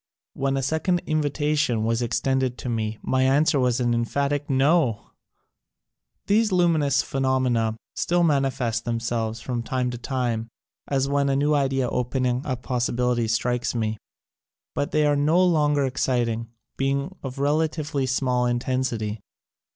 When a second invita tion was extended to me my answer was an emphatic NO ! These luminous phenomena still mani fest themselves from time to time, as when a new idea opening up possibilities strikes me, but they are no longer exciting, being of relatively small intensity.